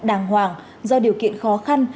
đàng hoàng do điều kiện khó khăn